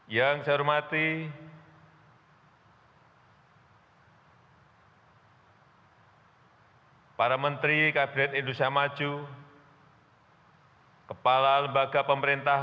yang saya hormati para menteri kabinet indonesia maju kepala lembaga pemerintah